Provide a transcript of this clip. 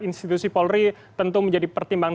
institusi polri tentu menjadi pertimbangan